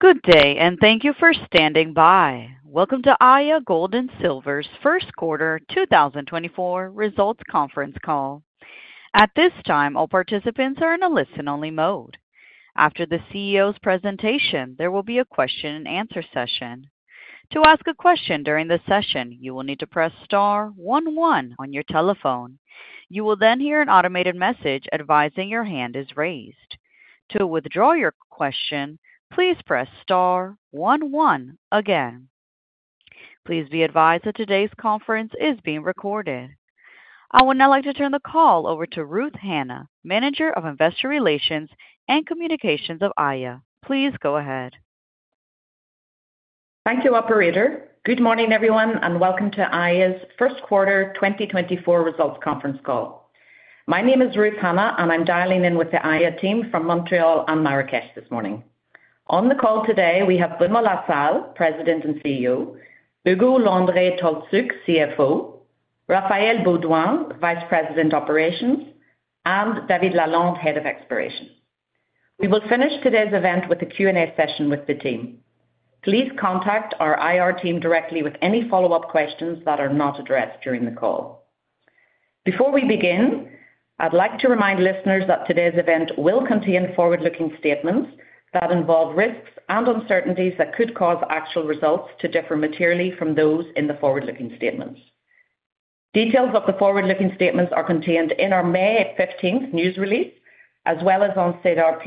Good day, and thank you for standing by. Welcome to Aya Gold and Silver's first quarter 2024 results conference call. At this time, all participants are in a listen-only mode. After the CEO's presentation, there will be a question-and-answer session. To ask a question during the session, you will need to press star one one on your telephone. You will then hear an automated message advising your hand is raised. To withdraw your question, please press star one one again. Please be advised that today's conference is being recorded. I would now like to turn the call over to Ruth Hanna, Manager of Investor Relations and Communications of Aya. Please go ahead. Thank you, operator. Good morning, everyone, and welcome to Aya's first quarter 2024 results conference call. My name is Ruth Hanna, and I'm dialing in with the Aya team from Montreal and Marrakech this morning. On the call today, we have Benoit La Salle, President and CEO, Ugo Landry-Tolszczuk, CFO, Raphaël Beaudoin, Vice President, Operations, and David Lalonde, Head of Exploration. We will finish today's event with a Q&A session with the team. Please contact our IR team directly with any follow-up questions that are not addressed during the call. Before we begin, I'd like to remind listeners that today's event will contain forward-looking statements that involve risks and uncertainties that could cause actual results to differ materially from those in the forward-looking statements. Details of the forward-looking statements are contained in our May fifteenth news release, as well as on SEDAR+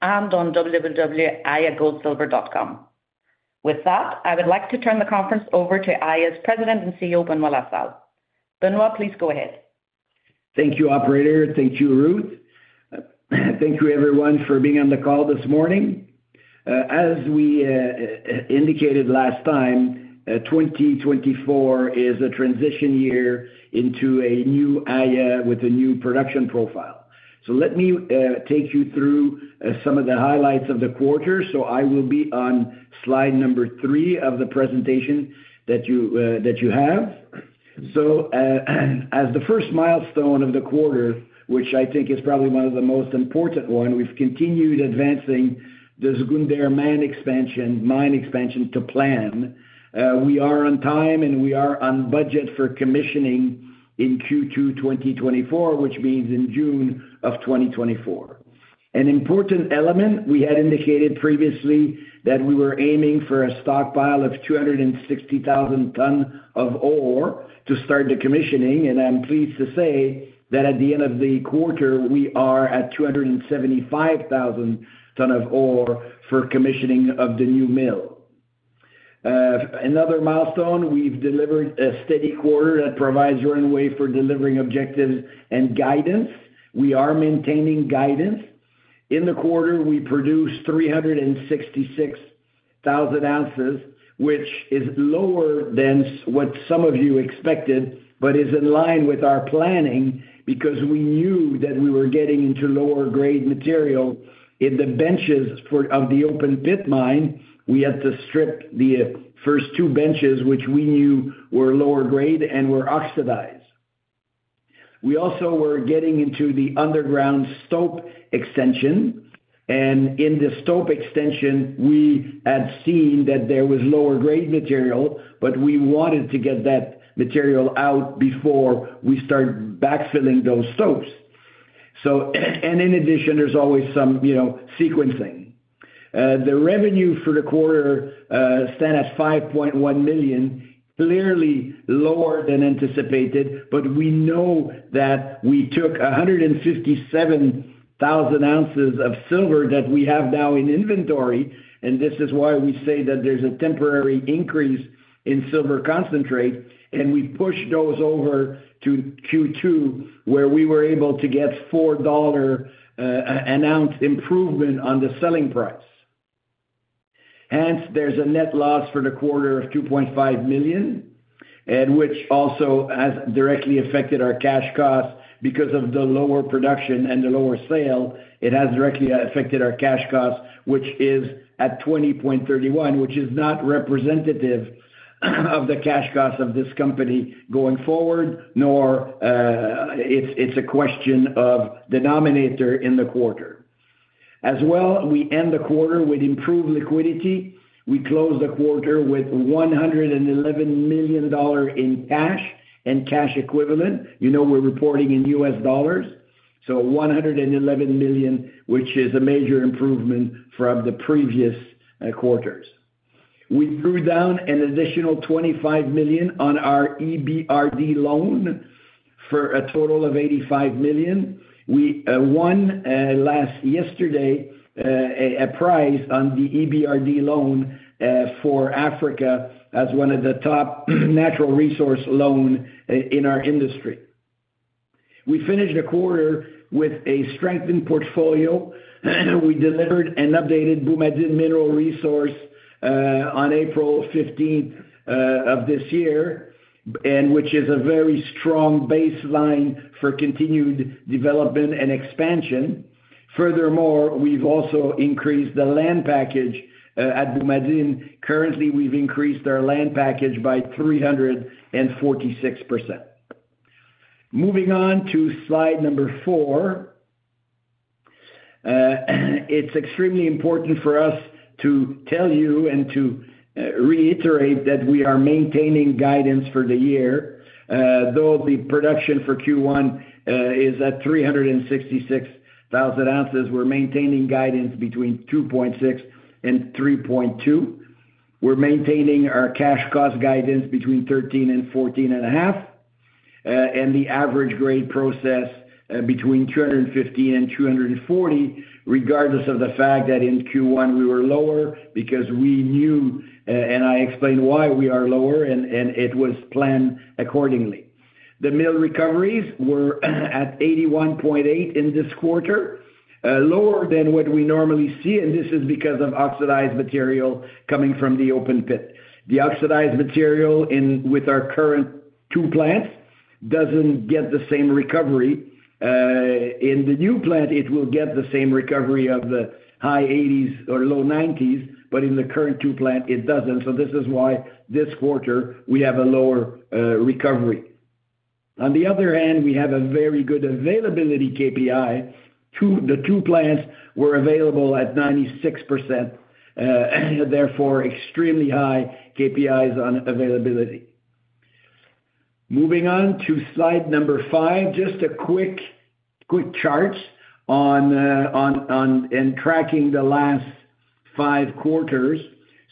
and on www.ayagoldsilver.com. With that, I would like to turn the conference over to Aya's President and CEO, Benoit La Salle. Benoit, please go ahead. Thank you, operator. Thank you, Ruth. Thank you everyone for being on the call this morning. As we indicated last time, 2024 is a transition year into a new Aya with a new production profile. Let me take you through some of the highlights of the quarter. I will be on slide number 3 of the presentation that you have. As the first milestone of the quarter, which I think is probably one of the most important one, we've continued advancing the Zgounder mine expansion to plan. We are on time, and we are on budget for commissioning in Q2 2024, which means in June of 2024. An important element, we had indicated previously that we were aiming for a stockpile of 260,000 tons of ore to start the commissioning, and I'm pleased to say that at the end of the quarter, we are at 275,000 tons of ore for commissioning of the new mill. Another milestone, we've delivered a steady quarter that provides runway for delivering objectives and guidance. We are maintaining guidance. In the quarter, we produced 366,000 ounces, which is lower than what some of you expected, but is in line with our planning because we knew that we were getting into lower-grade material. In the benches of the open pit mine, we had to strip the first two benches, which we knew were lower grade and were oxidized. We also were getting into the underground stope extension, and in the stope extension, we had seen that there was lower grade material, but we wanted to get that material out before we start backfilling those stopes. So, and in addition, there's always some, you know, sequencing. The revenue for the quarter stand at $5.1 million, clearly lower than anticipated, but we know that we took 157,000 ounces of silver that we have now in inventory, and this is why we say that there's a temporary increase in silver concentrate, and we pushed those over to Q2, where we were able to get $4 an ounce improvement on the selling price. Hence, there's a net loss for the quarter of $2.5 million, and which also has directly affected our cash costs because of the lower production and the lower sale. It has directly affected our cash costs, which is at $20.31, which is not representative of the cash costs of this company going forward, nor it's a question of denominator in the quarter. As well, we end the quarter with improved liquidity. We closed the quarter with $111 million in cash and cash equivalent. You know, we're reporting in US dollars, so $111 million, which is a major improvement from the previous quarters. We drew down an additional $25 million on our EBRD loan for a total of $85 million. We won last yesterday a prize on the EBRD loan for Africa as one of the top natural resource loan in our industry. We finished the quarter with a strengthened portfolio. We delivered an updated Boumadine mineral resource on April fifteenth of this year, and which is a very strong baseline for continued development and expansion. Furthermore, we've also increased the land package at Boumadine. Currently, we've increased our land package by 346%.... Moving on to slide number 4. It's extremely important for us to tell you and to reiterate that we are maintaining guidance for the year. Though the production for Q1 is at 366,000 ounces, we're maintaining guidance between 2.6 and 3.2. We're maintaining our cash cost guidance between $13 and $14.5, and the average grade processed between 250 and 240, regardless of the fact that in Q1 we were lower because we knew, and I explained why we are lower, and it was planned accordingly. The mill recoveries were at 81.8% in this quarter, lower than what we normally see, and this is because of oxidized material coming from the open pit. The oxidized material, with our current two plants, doesn't get the same recovery. In the new plant, it will get the same recovery of the high 80s or low 90s, but in the current two plant, it doesn't. So this is why this quarter we have a lower recovery. On the other hand, we have a very good availability KPI. The two plants were available at 96%, therefore, extremely high KPIs on availability. Moving on to slide 5, just a quick chart on tracking the last five quarters.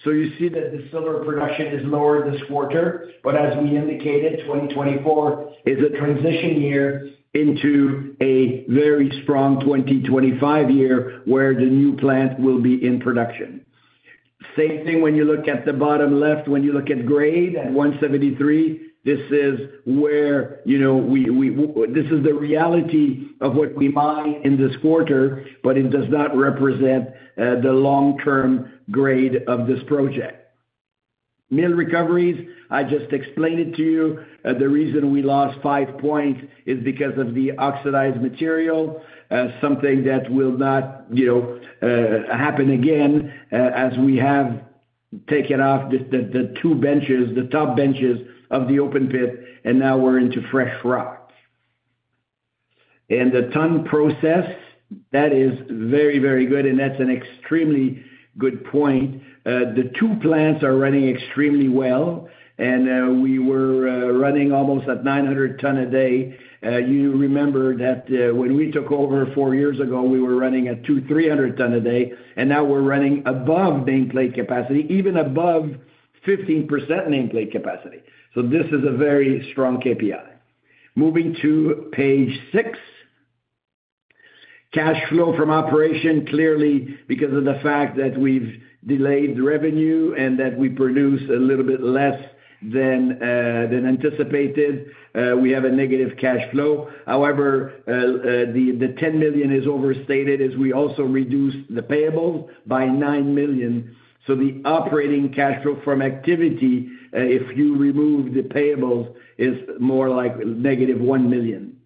So you see that the silver production is lower this quarter, but as we indicated, 2024 is a transition year into a very strong 2025 year, where the new plant will be in production. Same thing when you look at the bottom left, when you look at grade at 173, this is where, you know, we this is the reality of what we mine in this quarter, but it does not represent the long-term grade of this project. Mill recoveries, I just explained it to you. The reason we lost 5 points is because of the oxidized material, something that will not, you know, happen again, as we have taken off the two benches, the top benches of the open pit, and now we're into fresh rock. And the tonnage process, that is very, very good, and that's an extremely good point. The two plants are running extremely well, and we were running almost at 900 tons a day. You remember that, when we took over four years ago, we were running at 200-300 tons a day, and now we're running above nameplate capacity, even above 15% nameplate capacity. So this is a very strong KPI. Moving to page 6. Cash flow from operations, clearly, because of the fact that we've delayed revenue and that we produced a little bit less than anticipated, we have a negative cash flow. However, the $10 million is overstated as we also reduced the payables by $9 million. So the operating cash flow from activity, if you remove the payables, is more like negative $1 million.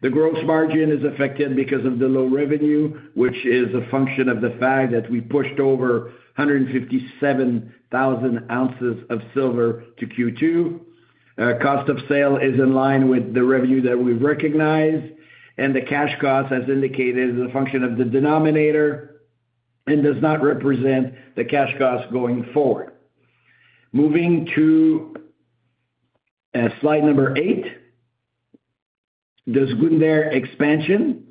The gross margin is affected because of the low revenue, which is a function of the fact that we pushed over 157,000 ounces of silver to Q2. Cost of sales is in line with the revenue that we've recognized, and the cash cost, as indicated, is a function of the denominator and does not represent the cash cost going forward. Moving to slide 8, the Zgounder expansion.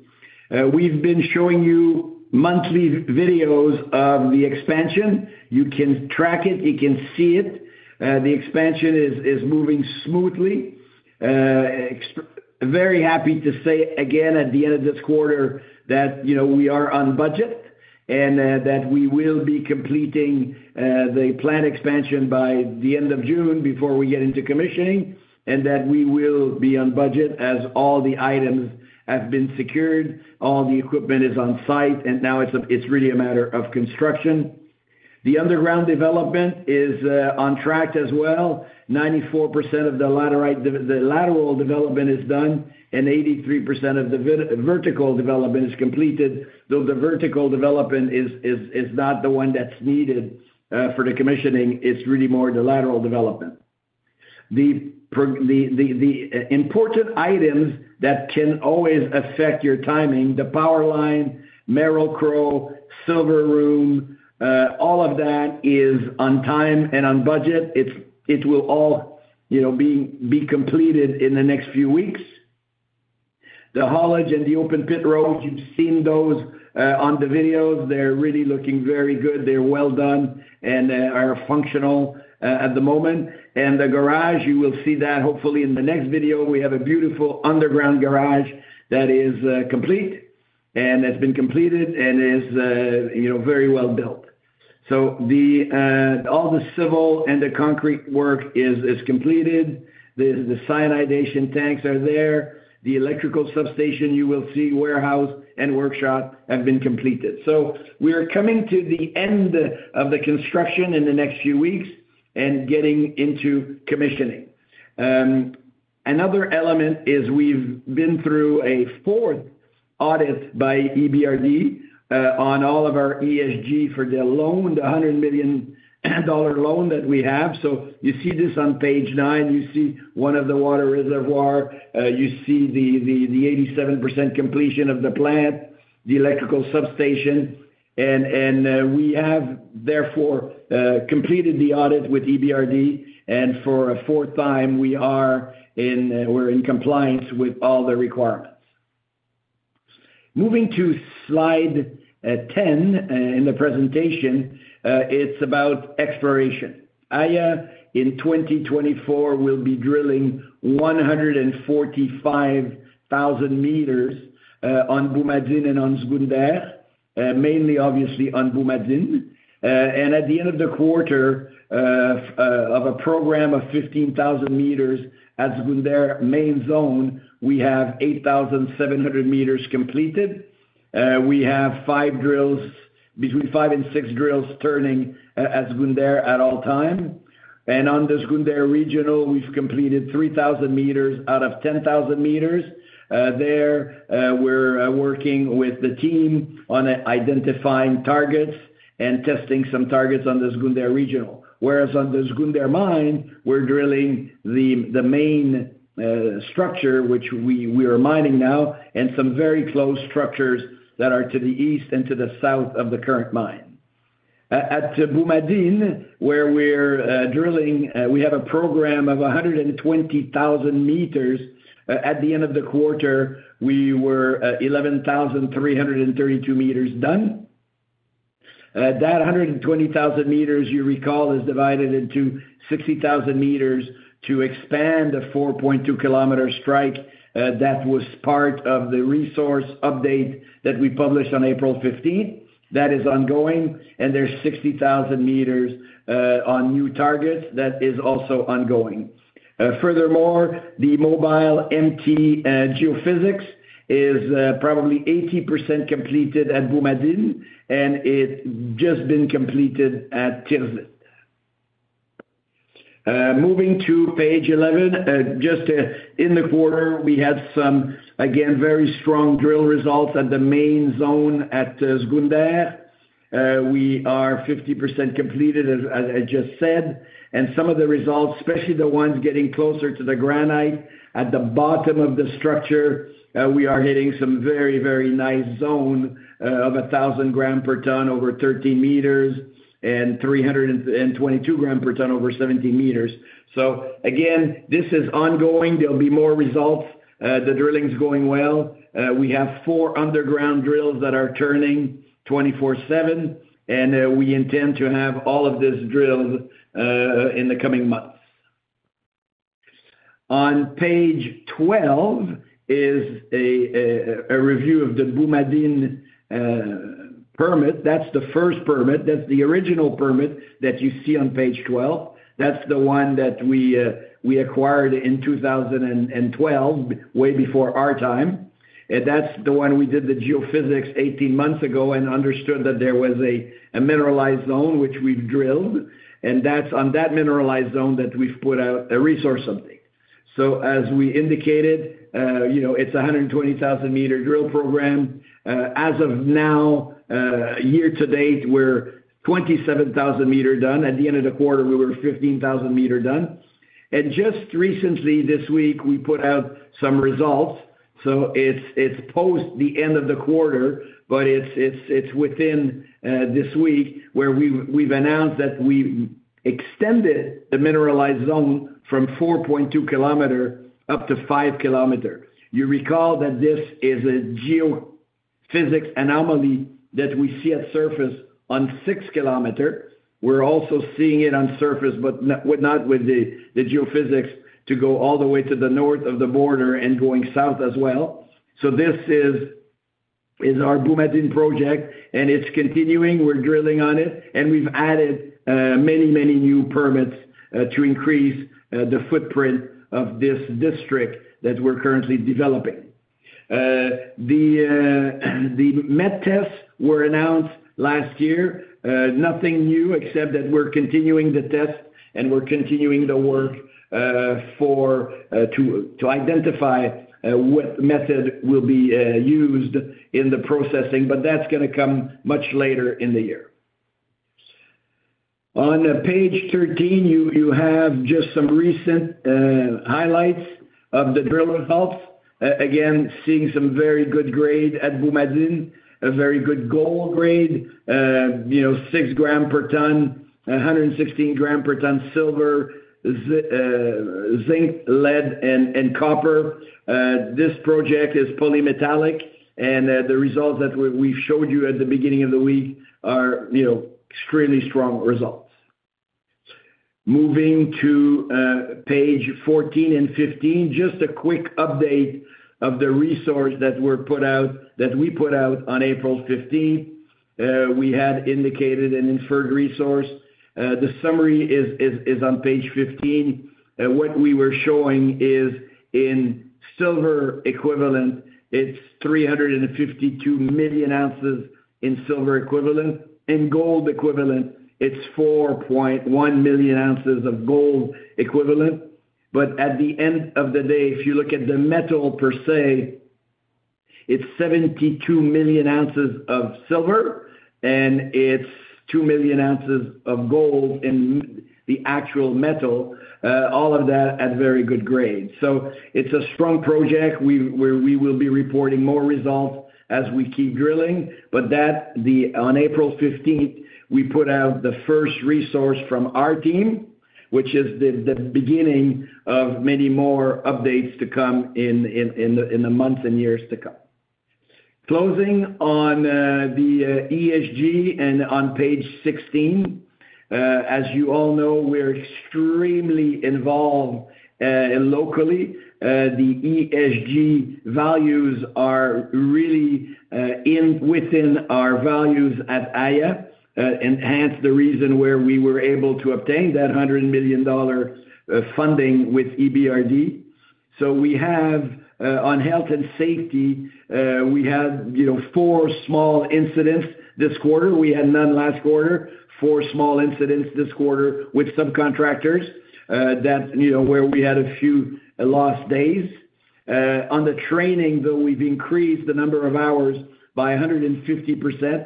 We've been showing you monthly videos of the expansion. You can track it, you can see it. The expansion is moving smoothly. Very happy to say again, at the end of this quarter, that, you know, we are on budget, and that we will be completing the plant expansion by the end of June before we get into commissioning, and that we will be on budget as all the items have been secured, all the equipment is on site, and now it's really a matter of construction. The underground development is on track as well. 94% of the lateral development is done, and 83% of the vertical development is completed, though the vertical development is not the one that's needed for the commissioning. It's really more the lateral development. The important items that can always affect your timing, the power line, Merrill-Crowe, silver room, all of that is on time and on budget. It will all, you know, be completed in the next few weeks. The haulage and the open pit roads, you've seen those on the videos. They're really looking very good. They're well done and are functional at the moment. The garage, you will see that hopefully in the next video. We have a beautiful underground garage that is complete, and that's been completed and is, you know, very well built. So all the civil and the concrete work is completed. The cyanidation tanks are there. The electrical substation, you will see, warehouse and workshop have been completed. So we are coming to the end of the construction in the next few weeks and getting into commissioning. Another element is we've been through a fourth audit by EBRD on all of our ESG for the loan, the $100 million loan that we have. So you see this on page 9, you see one of the water reservoir, you see the 87% completion of the plant, the electrical substation. And we have therefore completed the audit with EBRD, and for a fourth time, we are in compliance with all the requirements. Moving to slide 10 in the presentation, it's about exploration. Aya, in 2024, will be drilling 145,000 meters on Boumadine and on Zgounder, mainly obviously on Boumadine. At the end of the quarter, of a program of 15,000 meters at Zgounder Main Zone, we have 8,700 meters completed. We have five drills, between five and six drills turning at Zgounder at all times. On the Zgounder Regional, we've completed 3,000 meters out of 10,000 meters. There, we're working with the team on identifying targets and testing some targets on the Zgounder Regional. Whereas on the Zgounder Mine, we're drilling the main structure, which we are mining now, and some very close structures that are to the east and to the south of the current mine. At Boumadine, where we're drilling, we have a program of 120,000 meters. At the end of the quarter, we were 11,332 meters done. That 120,000 meters, you recall, is divided into 60,000 meters to expand the 4.2-kilometer strike, that was part of the resource update that we published on April fifteenth. That is ongoing, and there's 60,000 meters on new targets that is also ongoing. Furthermore, the MobileMT geophysics is probably 80% completed at Boumadine, and it just been completed at Tirzzit. Moving to page 11. Just in the quarter, we had some, again, very strong drill results at the main zone at Zgounder. We are 50% completed, as I just said, and some of the results, especially the ones getting closer to the granite at the bottom of the structure, we are hitting some very, very nice zone of 1,000 gram per ton over 13 meters, and 322 gram per ton over 17 meters. So again, this is ongoing. There'll be more results. The drilling's going well. We have four underground drills that are turning 24/7, and we intend to have all of this drilled in the coming months. On page 12 is a review of the Boumadine permit. That's the first permit. That's the original permit that you see on page 12. That's the one that we acquired in 2012, way before our time. And that's the one we did the geophysics 18 months ago and understood that there was a mineralized zone, which we've drilled, and that's on that mineralized zone that we've put out a resource update. So as we indicated, you know, it's a 120,000-meter drill program. As of now, year to date, we're 27,000 meter done. At the end of the quarter, we were 15,000 meter done. And just recently, this week, we put out some results. So it's post the end of the quarter, but it's within this week, where we've announced that we extended the mineralized zone from 4.2 kilometer up to 5 kilometer. You recall that this is a geophysics anomaly that we see at surface on 6 kilometer. We're also seeing it on surface, but not with the geophysics, to go all the way to the north of the border and going south as well. So this is our Boumadine project, and it's continuing. We're drilling on it, and we've added many, many new permits to increase the footprint of this district that we're currently developing. The met tests were announced last year. Nothing new, except that we're continuing the test, and we're continuing the work for to identify what method will be used in the processing, but that's gonna come much later in the year. On page 13, you have just some recent highlights of the drill results. Again, seeing some very good grade at Boumadine, a very good gold grade, you know, 6 grams per ton, 116 grams per ton silver, zinc, lead, and copper. This project is polymetallic, and the results that we've showed you at the beginning of the week are, you know, extremely strong results. Moving to page 14 and 15, just a quick update of the resource that were put out, that we put out on April 15. We had indicated an inferred resource. The summary is on page 15. What we were showing is, in silver equivalent, it's 352 million ounces in silver equivalent. In gold equivalent, it's 4.1 million ounces of gold equivalent. But at the end of the day, if you look at the metal per se, it's 72 million ounces of silver, and it's 2 million ounces of gold in the actual metal, all of that at very good grade. So it's a strong project. Where we will be reporting more results as we keep drilling. But that, on April fifteenth, we put out the first resource from our team, which is the beginning of many more updates to come in the months and years to come. Closing on the ESG and on page 16, as you all know, we're extremely involved locally. The ESG values are really within our values at Aya, and hence, the reason where we were able to obtain that $100 million funding with EBRD. We have on health and safety we had, you know, four small incidents this quarter. We had none last quarter. Four small incidents this quarter with subcontractors that, you know, where we had a few lost days. On the training, though, we've increased the number of hours by 150%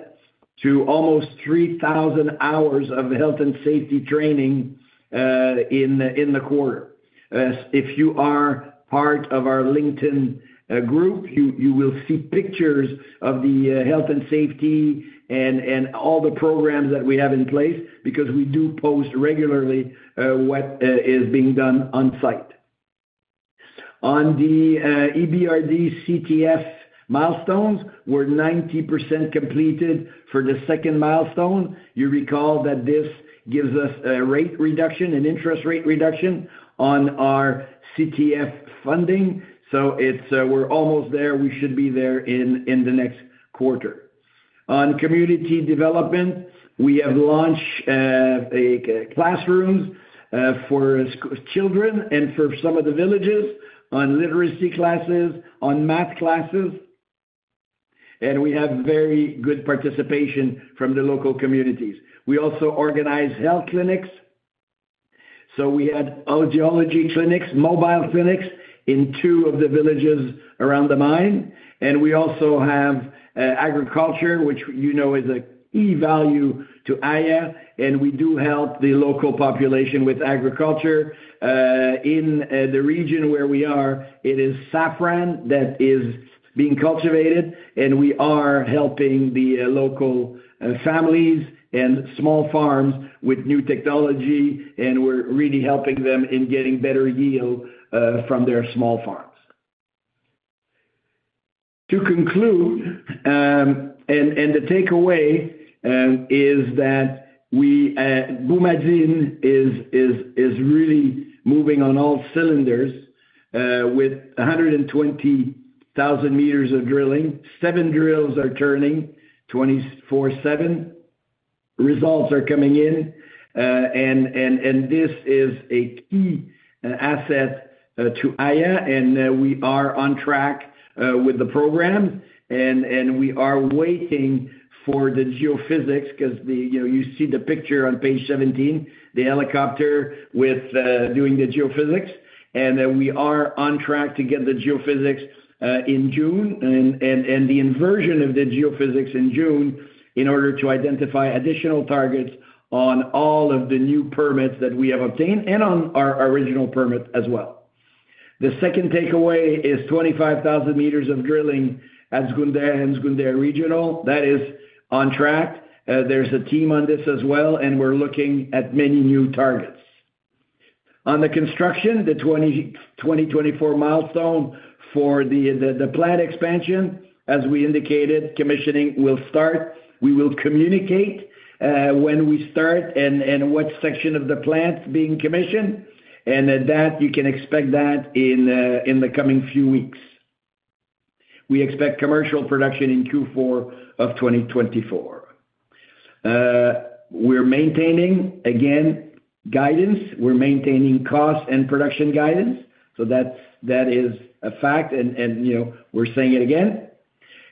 to almost 3,000 hours of health and safety training in the quarter. If you are part of our LinkedIn group, you will see pictures of the health and safety and all the programs that we have in place, because we do post regularly what is being done on site. On the EBRD CTF milestones, we're 90% completed for the second milestone. You recall that this gives us a rate reduction, an interest rate reduction on our CTF funding, so it's, we're almost there. We should be there in the next quarter. On community development, we have launched classrooms for school children and for some of the villages, on literacy classes, on math classes, and we have very good participation from the local communities. We also organize health clinics, so we had otology clinics, mobile clinics, in two of the villages around the mine. And we also have agriculture, which you know is a key value to Aya, and we do help the local population with agriculture. In the region where we are, it is saffron that is being cultivated, and we are helping the local families and small farms with new technology, and we're really helping them in getting better yield from their small farms. To conclude, and the takeaway is that Boumadine is really moving on all cylinders, with 120,000 meters of drilling. Seven drills are turning 24/7. Results are coming in, and this is a key asset to Aya, and we are on track with the program. We are waiting for the geophysics, 'cause you know, you see the picture on page 17, the helicopter with doing the geophysics. We are on track to get the geophysics in June, and the inversion of the geophysics in June, in order to identify additional targets on all of the new permits that we have obtained, and on our original permit as well. The second takeaway is 25,000 meters of drilling at Zgounder and Zgounder Regional. That is on track. There's a team on this as well, and we're looking at many new targets. On the construction, the 2024 milestone for the plant expansion, as we indicated, commissioning will start. We will communicate when we start and what section of the plant being commissioned, and that you can expect that in the coming few weeks. We expect commercial production in Q4 of 2024. We're maintaining, again, guidance. We're maintaining cost and production guidance, so that is a fact, and you know, we're saying it again.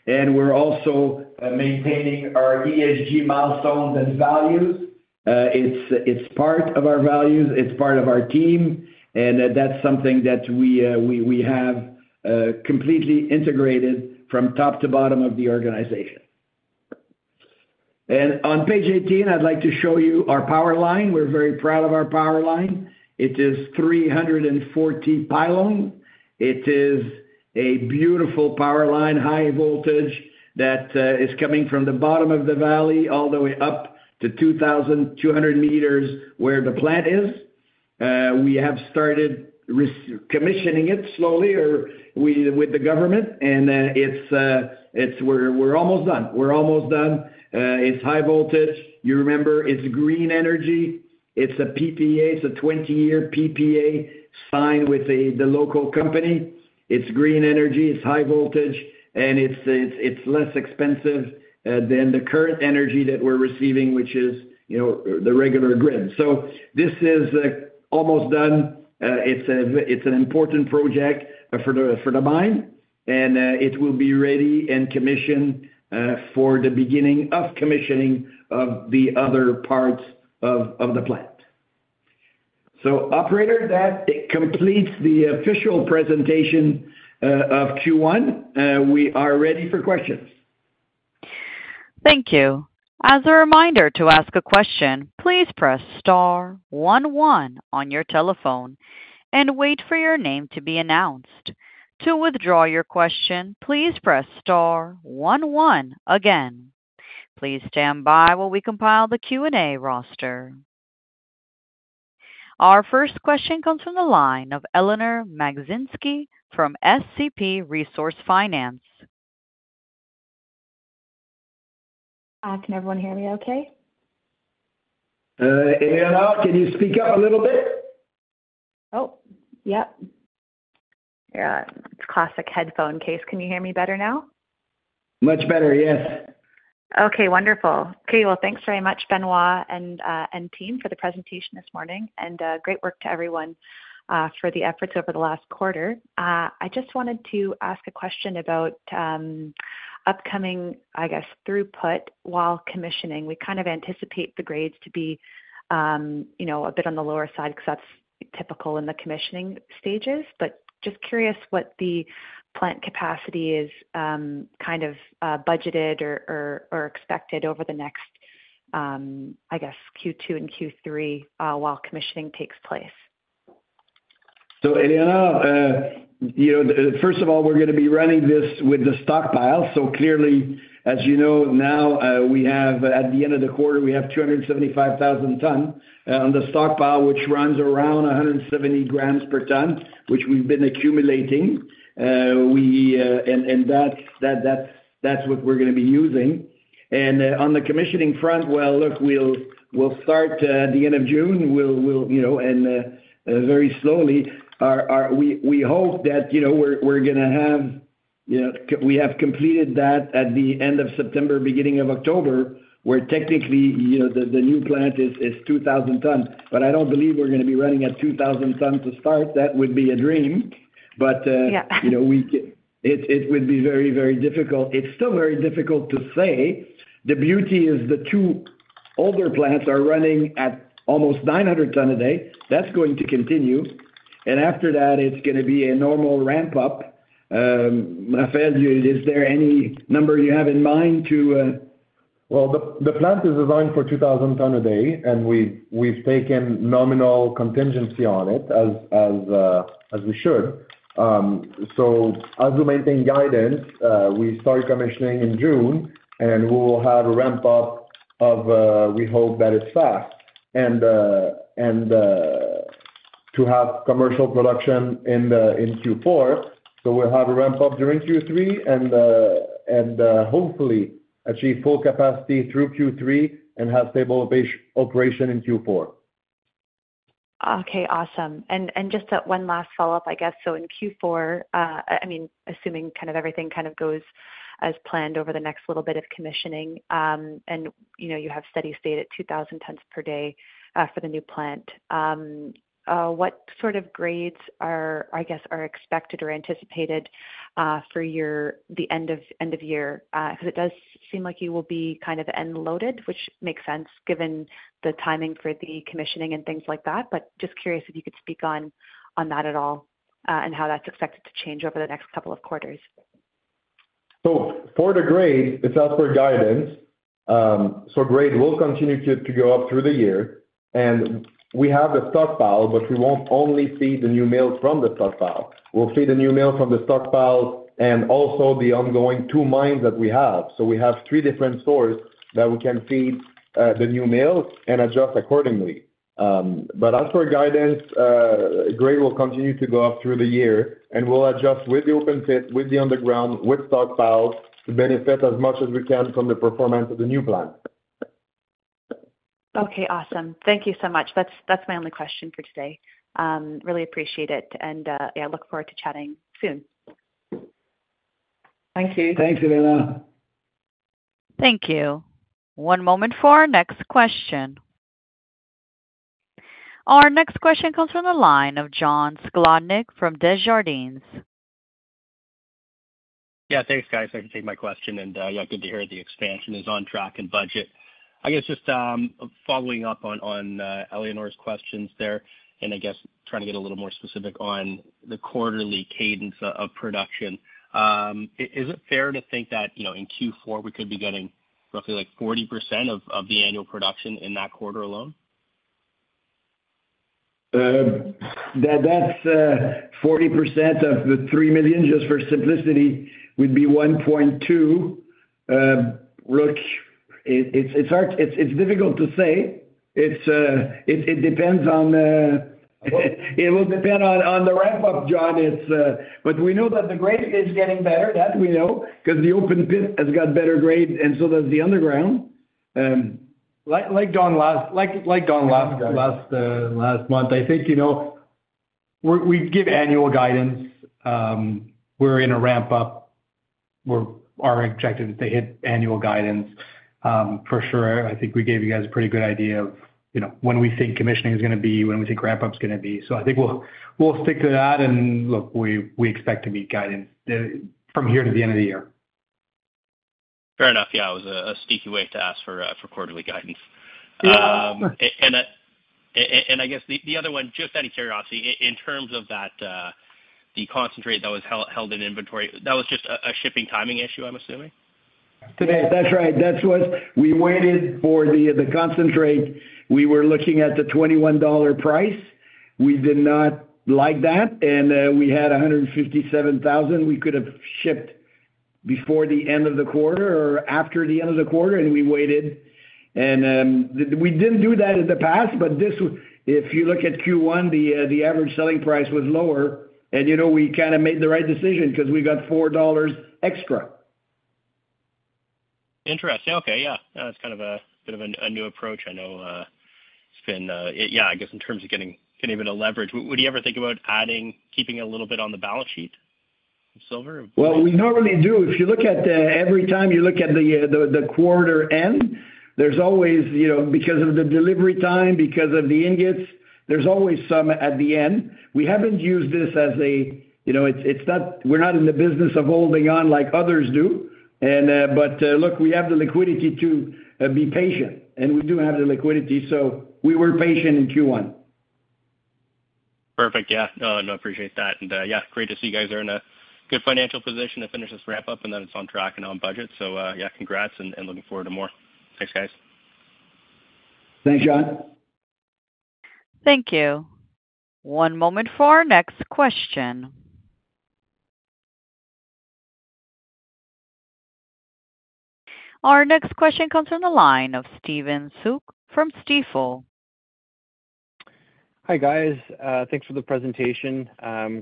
And we're also maintaining our ESG milestones and values. It's part of our values, it's part of our team, and that's something that we have completely integrated from top to bottom of the organization. And on page 18, I'd like to show you our power line. We're very proud of our power line. It is 340 pylon. It is a beautiful power line, high voltage, that is coming from the bottom of the valley all the way up to 2,200 meters, where the plant is. We have started recommissioning it slowly with the government, and it's... We're almost done. We're almost done. It's high voltage. You remember, it's green energy. It's a PPA. It's a 20-year PPA signed with the local company. It's green energy, it's high voltage, and it's less expensive than the current energy that we're receiving, which is, you know, the regular grid. So this is almost done. It's an important project for the mine, and it will be ready and commissioned for the beginning of commissioning of the other parts of the plant. So operator, that completes the official presentation of Q1. We are ready for questions. Thank you. As a reminder, to ask a question, please press star one one on your telephone and wait for your name to be announced. To withdraw your question, please press star one one again. Please stand by while we compile the Q&A roster. Our first question comes from the line of Eleanor Magdzinski from SCP Resource Finance. Can everyone hear me okay? Eleanor, can you speak up a little bit? Oh, yep. Yeah, it's classic headphone case. Can you hear me better now? Much better, yes. Okay, wonderful. Okay, well, thanks very much, Benoit, and, and team, for the presentation this morning, and, great work to everyone, for the efforts over the last quarter. I just wanted to ask a question about, upcoming, I guess, throughput while commissioning. We kind of anticipate the grades to be, you know, a bit on the lower side, because that's typical in the commissioning stages, but just curious what the plant capacity is, kind of, budgeted or, or, or expected over the next, I guess, Q2 and Q3, while commissioning takes place. So Eleanor, you know, first of all, we're gonna be running this with the stockpile. So clearly, as you know, now, we have at the end of the quarter, we have 275,000 ton on the stockpile, which runs around 170 grams per ton, which we've been accumulating. And that's what we're gonna be using. And on the commissioning front, well, look, we'll start at the end of June. We'll, you know, and very slowly. We hope that, you know, we're gonna have, you know. We have completed that at the end of September, beginning of October, where technically, you know, the new plant is 2,000 tons. But I don't believe we're gonna be running at 2,000 tons to start. That would be a dream, but. Yeah. You know, it would be very, very difficult. It's still very difficult to say. The beauty is, the two older plants are running at almost 900 tons a day. That's going to continue, and after that, it's gonna be a normal ramp up. Raphaël, is there any number you have in mind to...? Well, the plant is designed for 2,000 tons per day, and we've taken nominal contingency on it, as we should. So as we maintain guidance, we start commissioning in June, and we will have a ramp up we hope that is fast, and to have commercial production in Q4. So we'll have a ramp up during Q3 and hopefully achieve full capacity through Q3 and have stable operation in Q4. Okay, awesome. And just one last follow-up, I guess. So in Q4, I mean, assuming kind of everything kind of goes as planned over the next little bit of commissioning, and you know, you have steady state at 2,000 tons per day for the new plant. What sort of grades are, I guess, expected or anticipated for your- the end of, end of year? Because it does seem like you will be kind of end loaded, which makes sense given the timing for the commissioning and things like that. But just curious if you could speak on that at all, and how that's expected to change over the next couple of quarters? So for the grade, it's as per guidance. So grade will continue to go up through the year, and we have the stockpile, but we won't only feed the new mills from the stockpile. We'll feed the new mills from the stockpile and also the ongoing two mines that we have. So we have three different sources that we can feed the new mills and adjust accordingly. But as for guidance, grade will continue to go up through the year, and we'll adjust with the open pit, with the underground, with stockpiles, to benefit as much as we can from the performance of the new plant. Okay, awesome. Thank you so much. That's my only question for today. Really appreciate it, and yeah, look forward to chatting soon. Thank you. Thanks, Eleanor. Thank you. One moment for our next question. Our next question comes from the line of John Sclodnick from Desjardins. Yeah, thanks, guys. Thank you for taking my question, and, yeah, good to hear the expansion is on track and budget. I guess just, following up on Eleanor's questions there, and I guess trying to get a little more specific on the quarterly cadence of production. Is it fair to think that, you know, in Q4, we could be getting roughly like 40% of the annual production in that quarter alone? That's 40% of the 3 million, just for simplicity, would be 1.2. Look, it's hard—it's difficult to say. It will depend on the ramp-up, John. But we know that the grade is getting better, because the open pit has got better grades and so does the underground. Like last month, I think, you know, we give annual guidance. We're in a ramp up.... our objective is to hit annual guidance. For sure, I think we gave you guys a pretty good idea of, you know, when we think commissioning is gonna be, when we think ramp-up is gonna be. So I think we'll, we'll stick to that, and look, we, we expect to meet guidance, from here to the end of the year. Fair enough. Yeah, it was a sneaky way to ask for quarterly guidance. Yeah. I guess the other one, just out of curiosity, in terms of that, the concentrate that was held in inventory, that was just a shipping timing issue, I'm assuming? Today, that's right. That's what we waited for, the concentrate. We were looking at the $21 price. We did not like that, and we had 157,000 we could have shipped before the end of the quarter or after the end of the quarter, and we waited. And we didn't do that in the past, but this, if you look at Q1, the average selling price was lower, and, you know, we kind of made the right decision because we got $4 extra. Interesting. Okay, yeah. That's kind of a bit of a new approach. I know it's been... Yeah, I guess in terms of getting a bit of leverage. Would you ever think about adding, keeping a little bit on the balance sheet of silver? Well, we normally do. If you look at every time you look at the quarter end, there's always, you know, because of the delivery time, because of the ingots, there's always some at the end. We haven't used this as a, you know, it's not. We're not in the business of holding on like others do. But look, we have the liquidity to be patient, and we do have the liquidity, so we were patient in Q1. Perfect. Yeah. No, I appreciate that. And, yeah, great to see you guys are in a good financial position to finish this ramp-up, and that it's on track and on budget. So, yeah, congrats, and, and looking forward to more. Thanks, guys. Thanks, Sean. Thank you. One moment for our next question. Our next question comes from the line of Stephen Soock from Stifel. Hi, guys. Thanks for the presentation.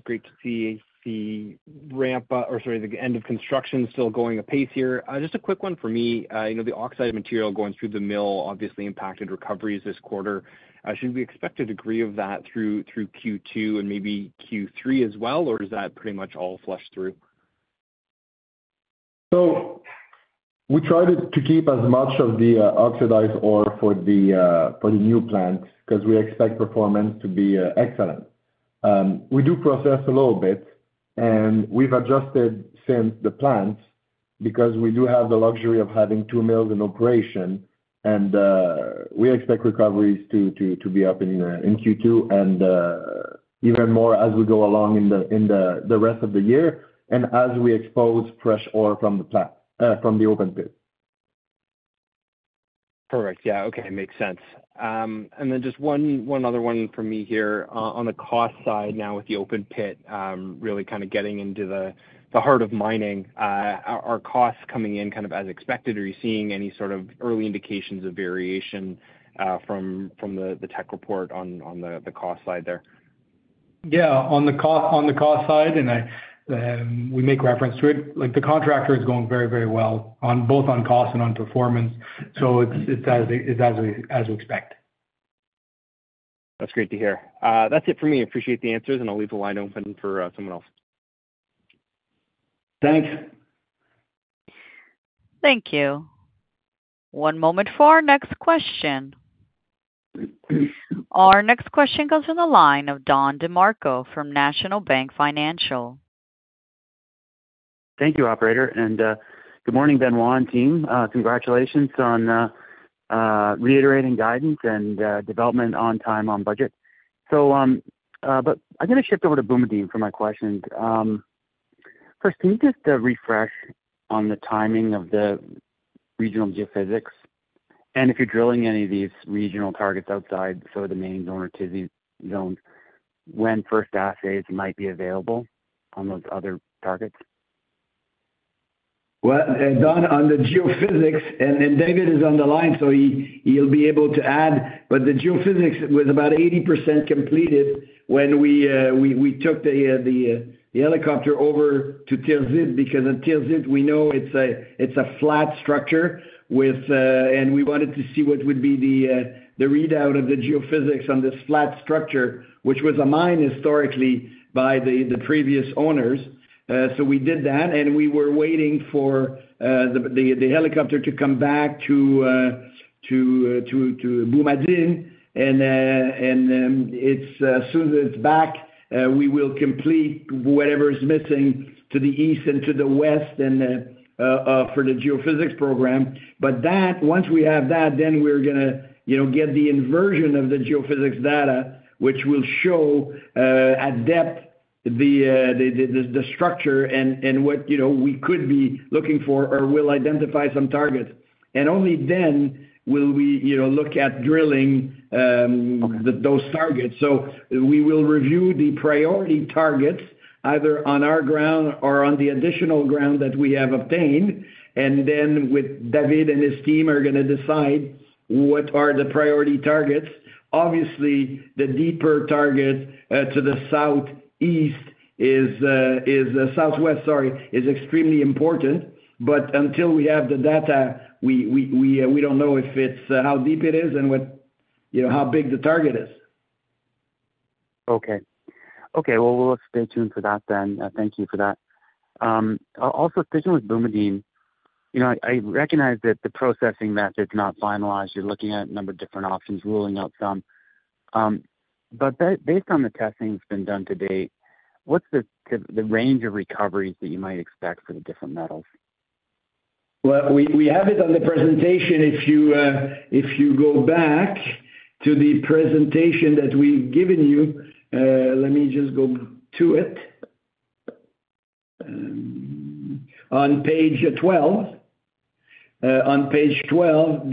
Great to see the ramp up, or sorry, the end of construction still going apace here. Just a quick one for me. You know, the oxide material going through the mill obviously impacted recoveries this quarter. Should we expect a degree of that through Q2 and maybe Q3 as well, or is that pretty much all flushed through? So we try to keep as much of the oxidized ore for the new plant, because we expect performance to be excellent. We do process a little bit, and we've adjusted since the plant, because we do have the luxury of having two mills in operation, and we expect recoveries to be up in Q2 and even more as we go along in the rest of the year, and as we expose fresh ore from the open pit. Perfect. Yeah. Okay, makes sense. And then just one other one for me here. On the cost side now, with the open pit, really kind of getting into the heart of mining, are costs coming in kind of as expected, or are you seeing any sort of early indications of variation from the tech report on the cost side there? Yeah, on the cost, on the cost side, and I, we make reference to it, like, the contractor is going very, very well on both on cost and on performance, so it's, it's as, it's as we, as we expect. That's great to hear. That's it for me. I appreciate the answers, and I'll leave the line open for someone else. Thanks. Thank you. One moment for our next question. Our next question comes from the line of Don DeMarco from National Bank Financial. Thank you, operator. Good morning, Benoit and team. Congratulations on reiterating guidance and development on time, on budget. But I'm gonna shift over to Boumadine for my questions. First, can you just refresh on the timing of the regional geophysics, and if you're drilling any of these regional targets outside, so the main zone or Tirzzit zone, when first assays might be available on those other targets? Well, Don, on the geophysics, and David is on the line, so he'll be able to add, but the geophysics was about 80% completed when we took the helicopter over to Tirzzit, because in Tirzzit, we know it's a flat structure with. And we wanted to see what would be the readout of the geophysics on this flat structure, which was a mine historically by the previous owners. So we did that, and we were waiting for the helicopter to come back to Boumadine. And as soon as it's back, we will complete whatever is missing to the east and to the west and for the geophysics program. But that, once we have that, then we're gonna, you know, get the inversion of the geophysics data, which will show, at depth, the structure and what, you know, we could be looking for or will identify some targets. And only then will we, you know, look at drilling. Okay... those targets. So we will review the priority targets, either on our ground or on the additional ground that we have obtained, and then with David and his team are gonna decide what are the priority targets. Obviously, the deeper target to the southeast is southwest, sorry, is extremely important, but until we have the data, we don't know if it's how deep it is and what, you know, how big the target is.... Okay. Okay, well, we'll stay tuned for that then. Thank you for that. Also sticking with Boumadine, you know, I recognize that the processing method is not finalized. You're looking at a number of different options, ruling out some. But based on the testing that's been done to date, what's the range of recoveries that you might expect for the different metals? Well, we have it on the presentation. If you go back to the presentation that we've given you, let me just go to it. On page 12, on page 12, at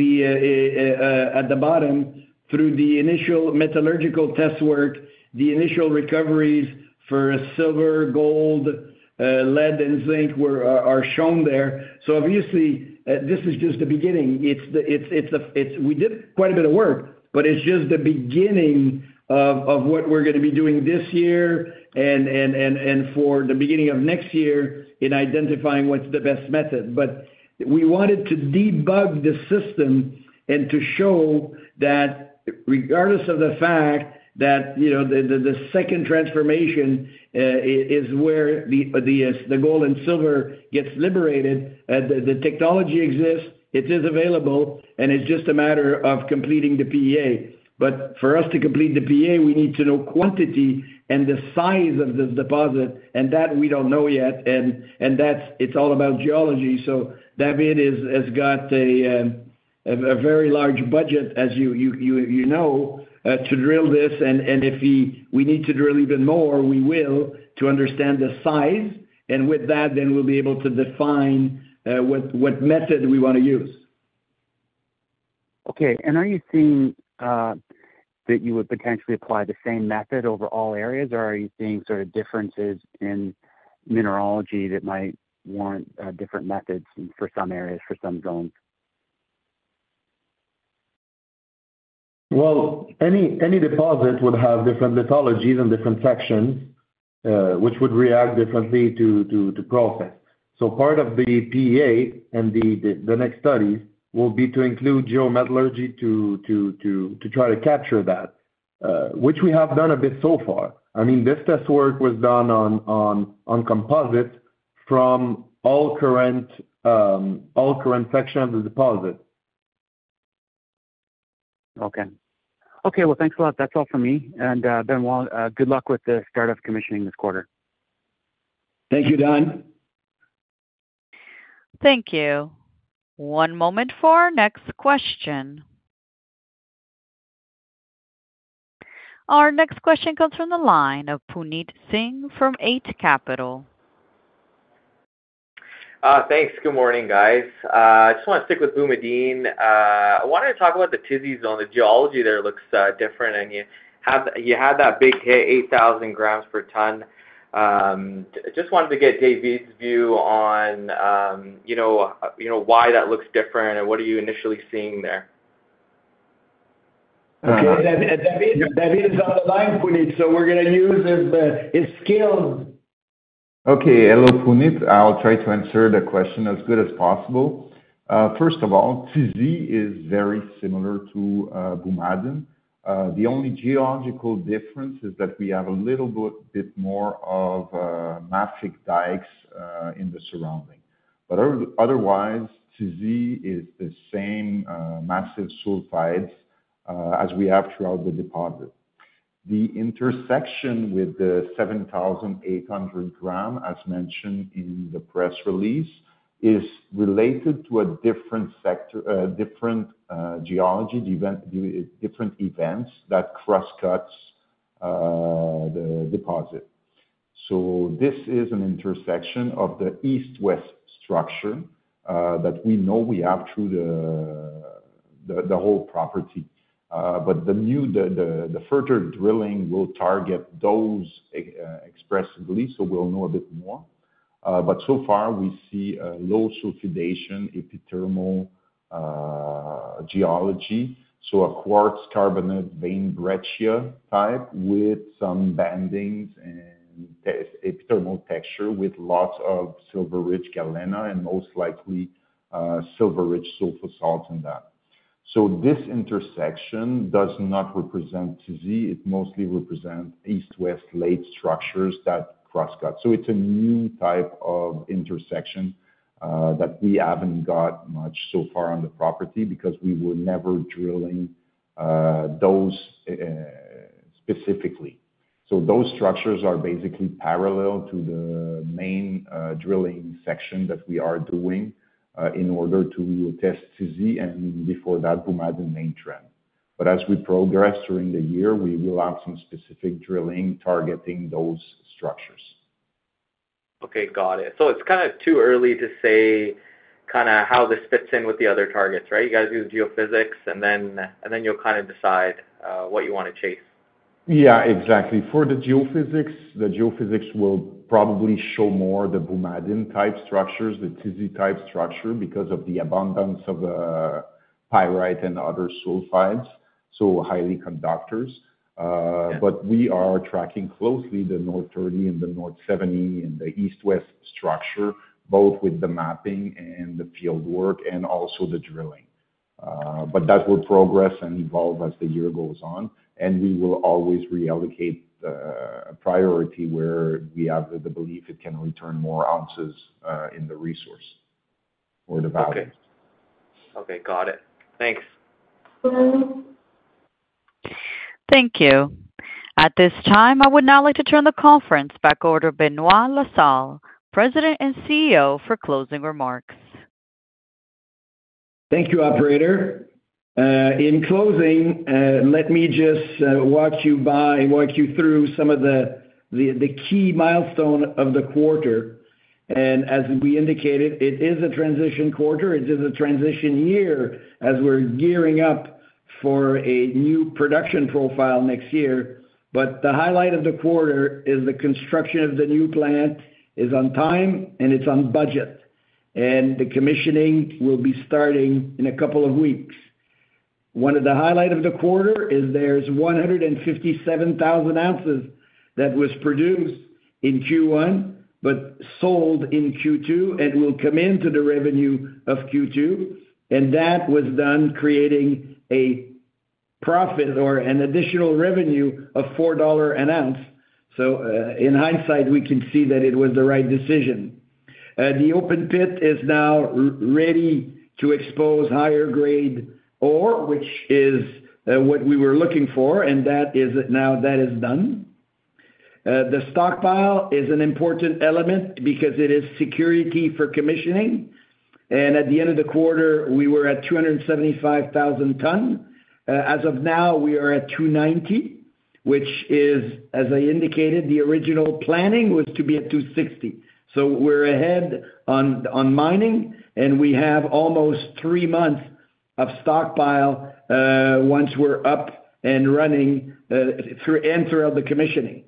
the bottom, through the initial metallurgical test work, the initial recoveries for silver, gold, lead, and zinc were, are, are shown there. So obviously, this is just the beginning. It's the, it's, it's a, it's—we did quite a bit of work, but it's just the beginning of what we're gonna be doing this year and for the beginning of next year in identifying what's the best method. But we wanted to debug the system and to show that regardless of the fact that, you know, the second transformation is where the gold and silver gets liberated, the technology exists, it is available, and it's just a matter of completing the PEA. But for us to complete the PEA, we need to know quantity and the size of the deposit, and that we don't know yet, and that's it. It's all about geology. So David has got a very large budget, as you know, to drill this. And if we need to drill even more, we will, to understand the size, and with that, then we'll be able to define what method we want to use. Okay. Are you seeing that you would potentially apply the same method over all areas, or are you seeing sort of differences in mineralogy that might warrant different methods for some areas, for some zones? Well, any deposit would have different lithologies and different sections, which would react differently to process. So part of the PEA and the next studies will be to include geometallurgy to try to capture that, which we have done a bit so far. I mean, this test work was done on composite from all current sections of the deposit. Okay. Okay, well, thanks a lot. That's all for me. And, Benoit, good luck with the start of commissioning this quarter. Thank you, Don. Thank you. One moment for our next question. Our next question comes from the line of Puneet Singh from Eight Capital. Thanks. Good morning, guys. I just want to stick with Boumadine. I wanted to talk about the Tizi Zone. The geology there looks different, and you have, you had that big hit, 8,000 grams per ton. Just wanted to get David's view on, you know, you know, why that looks different and what are you initially seeing there? Okay. David, David is on the line, Puneet, so we're gonna use his, his skills. Okay. Hello, Puneet. I'll try to answer the question as good as possible. First of all, Tizi is very similar to Boumadine. The only geological difference is that we have a little bit more of mafic dikes in the surrounding. But otherwise, Tizi is the same, massive sulfides, as we have throughout the deposit. The intersection with the 7,800 gram, as mentioned in the press release, is related to a different sector, different geology event, different events that crosscuts the deposit. So this is an intersection of the east-west structure that we know we have through the whole property. But the new further drilling will target those expressly, so we'll know a bit more. But so far, we see a low sulfidation epithermal geology, so a quartz carbonate vein breccia type with some bandings and epithermal texture, with lots of silver-rich galena and most likely, silver-rich sulfosalts in that. So this intersection does not represent Tizi. It mostly represent east-west late structures that crosscut. So it's a new type of intersection that we haven't got much so far on the property because we were never drilling those specifically. So those structures are basically parallel to the main drilling section that we are doing in order to test Tizi and before that, Boumadine Main Trend. But as we progress during the year, we will have some specific drilling targeting those structures. Okay, got it. So it's kind of too early to say kind of how this fits in with the other targets, right? You guys do the geophysics, and then you'll kind of decide what you want to chase. Yeah, exactly. For the geophysics, the geophysics will probably show more the Boumadine-type structures, the Tizi-type structure, because of the abundance of pyrite and other sulfides, so highly conductive. Yeah. We are tracking closely the North 30 and the North 70 and the East-West structure, both with the mapping and the field work and also the drilling.... but that will progress and evolve as the year goes on, and we will always reallocate the, priority where we have the belief it can return more ounces, in the resource or the value. Okay. Okay, got it. Thanks. Thank you. At this time, I would now like to turn the conference back over to Benoit La Salle, President and CEO, for closing remarks. Thank you, operator. In closing, let me just walk you through some of the key milestone of the quarter. As we indicated, it is a transition quarter, it is a transition year as we're gearing up for a new production profile next year. The highlight of the quarter is the construction of the new plant is on time, and it's on budget, and the commissioning will be starting in a couple of weeks. One of the highlight of the quarter is there's 157,000 ounces that was produced in Q1, but sold in Q2, and will come into the revenue of Q2, and that was done creating a profit or an additional revenue of $4 an ounce. In hindsight, we can see that it was the right decision. The open pit is now ready to expose higher grade ore, which is what we were looking for, and that is now done. The stockpile is an important element because it is security for commissioning, and at the end of the quarter, we were at 275,000 tons. As of now, we are at 290, which is, as I indicated, the original planning was to be at 260. So we're ahead on mining, and we have almost 3 months of stockpile once we're up and running through and throughout the commissioning.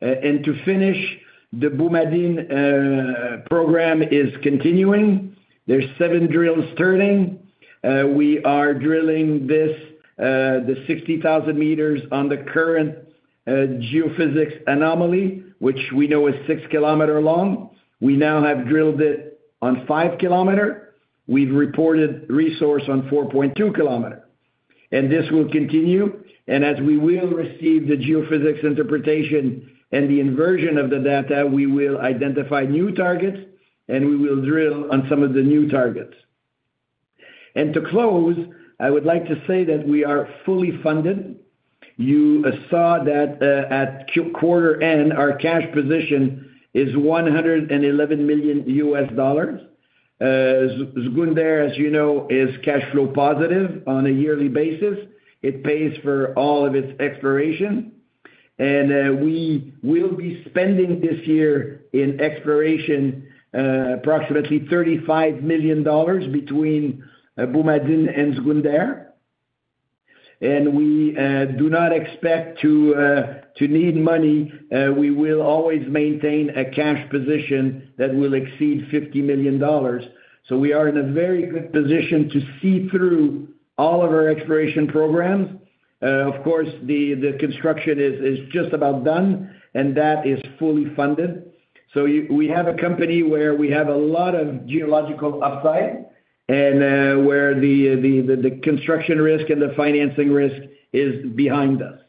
And to finish, the Boumadine program is continuing. There's 7 drills turning. We are drilling the 60,000 meters on the current geophysics anomaly, which we know is 6 kilometers long. We now have drilled it on 5 kilometer. We've reported resource on 4.2 kilometer, and this will continue. As we will receive the geophysics interpretation and the inversion of the data, we will identify new targets, and we will drill on some of the new targets. To close, I would like to say that we are fully funded. You saw that, at quarter end, our cash position is $111 million. Zgounder, as you know, is cash flow positive on a yearly basis. It pays for all of its exploration. We will be spending this year in exploration, approximately $35 million between Boumadine and Zgounder. We do not expect to need money. We will always maintain a cash position that will exceed $50 million. So we are in a very good position to see through all of our exploration programs. Of course, the construction is just about done, and that is fully funded. So we have a company where we have a lot of geological upside and where the construction risk and the financing risk is behind us.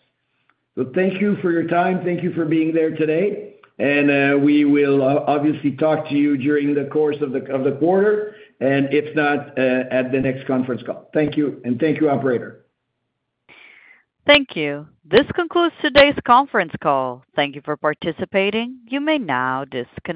So thank you for your time. Thank you for being there today, and we will obviously talk to you during the course of the quarter, and if not, at the next conference call. Thank you, and thank you, operator. Thank you. This concludes today's conference call. Thank you for participating. You may now disconnect.